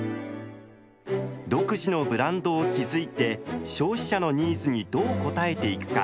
独自のブランドを築いて消費者のニーズにどう応えていくか。